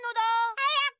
はやく！